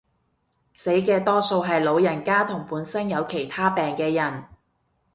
死嘅多數係老人家同本身有其他病嘅人